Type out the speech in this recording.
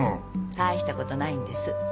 たいしたことないんです。